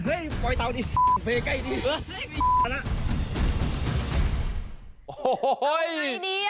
เฮ้ยเฮ้ยเฮ้ยเฮ้ย